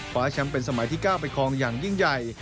แชมป์เป็นสมัยที่๙ไปครองอย่างยิ่งใหญ่